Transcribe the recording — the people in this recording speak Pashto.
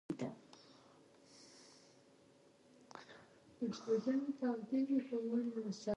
ملا په یوه غږ ټوله کوټه ولړزوله.